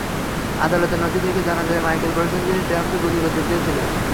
আদালতের নথি থেকে জানা যায়, মাইকেল বলেছেন, তিনি ট্রাম্পকে গুলি করতে চেয়েছিলেন।